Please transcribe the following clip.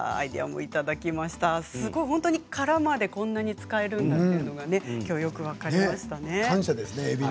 殻までこんなに使えるんだというのがきょうよく分かりましたね。